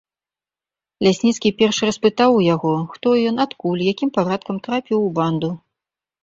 Лясніцкі перш распытаў у яго, хто ён, адкуль, якім парадкам трапіў у банду.